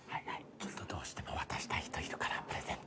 ちょっとどうしても渡したい人いるからプレゼント。